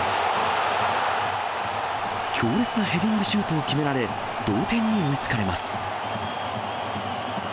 強烈なヘディングシュートを決められ、同点に追いつかれます。